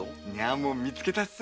もう見つけたっす。